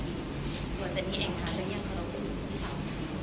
โดยเจรี่แอร์จากเจ้านิยงกระโลภูมิที่๒ปืน